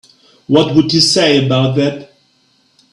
What would you say about that?